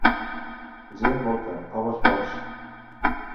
Gent, molta: homes, pocs.